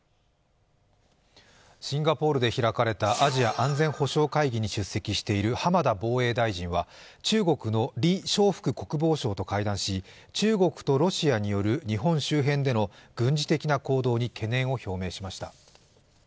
シンガポールで開かれたアジア安全保障会議に出席している浜田防衛大臣は、中国の李尚福国防相と会談し、中国とロシアによる日本周辺での軍事的な行動に懸念を表明しました。